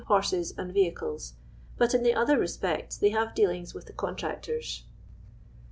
ii>rses atid vehicles, but in the other respects they have dejiliniis wiih the contractors.